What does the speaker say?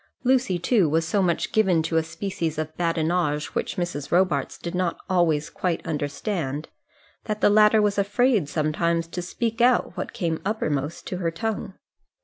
Lucy, too, was so much given to a species of badinage which Mrs. Robarts did not always quite understand, that the latter was afraid sometimes to speak out what came uppermost to her tongue.